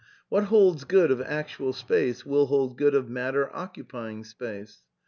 What holds good l of actual space wiU hold good of matter occupying space.